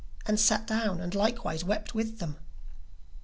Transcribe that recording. and sat down, and likewise wept with them.